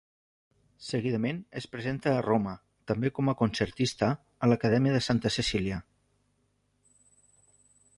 Seguidament es presenta a Roma, també com a concertista, a l'Acadèmia de Santa Cecília.